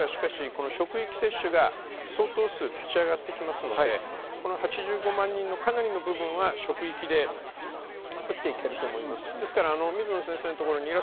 千代田区は職域接種が相当数立ち上がってきますので８５万人のかなりの部分は職域で打っていけると思います。